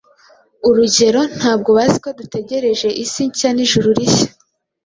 Urugero, ntabwo bazi ko dutegereje isi nshya n’ijuru rishya